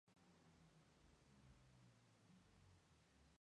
Sin embargo, perdieron la batalla para poder graduarse.